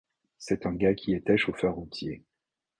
« C’est un gars qui était chauffeur routier.